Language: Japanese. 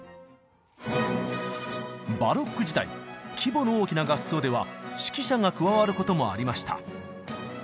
バロック時代規模の大きな合奏では指揮者が加わることもありました。